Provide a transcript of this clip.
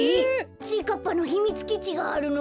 ちぃかっぱのひみつきちがあるの？